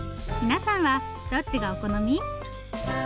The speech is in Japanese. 皆さんはどっちがお好み？